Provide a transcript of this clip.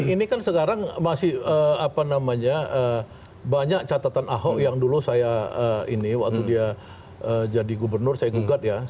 ini kan sekarang masih apa namanya banyak catatan ahok yang dulu saya ini waktu dia jadi gubernur saya gugat ya